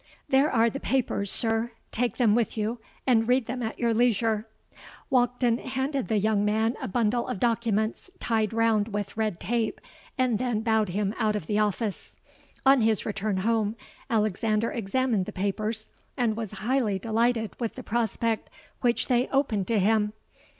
There are the papers, sir: take them with you, and read them at your leisure.' Walkden handed the young man a bundle of documents tied round with red tape, and then bowed him out of the office. On his return home, Alexander examined the papers, and was highly delighted with the prospect which they opened to him.